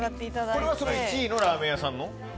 これは１位のラーメン屋さんの？